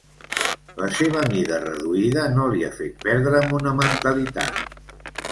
La seva mida reduïda no li ha fet perdre monumentalitat.